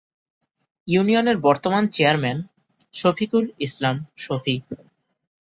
ইউনিয়নের বর্তমান চেয়ারম্যান শফিকুল ইসলাম শফি